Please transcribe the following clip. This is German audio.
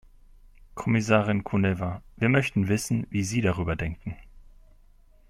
Kommissarin Kuneva, wir möchten wissen, wie Sie darüber denken.